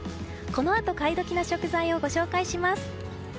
このあと買い時な食材をご紹介します。